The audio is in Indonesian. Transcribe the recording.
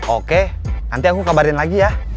oke nanti aku kabarin lagi ya